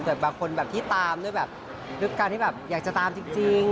แต่บางคนแบบที่ตามด้วยแบบด้วยการที่แบบอยากจะตามจริง